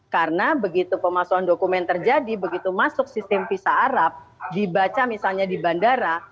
karena begitu pemalsuan dokumen terjadi begitu masuk sistem visa arab dibaca misalnya di bandara